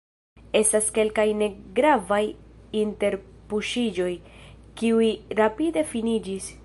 Estas kelkaj negravaj interpuŝiĝoj, kiuj rapide finiĝis.